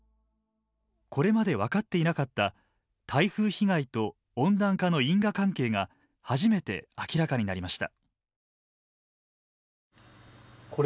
これまで分かっていなかった台風被害と温暖化の因果関係が初めて明らかになりました。